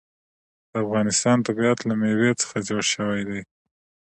د افغانستان طبیعت له مېوې څخه جوړ شوی دی.